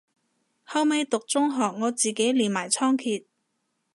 後尾讀中學我自己練埋倉頡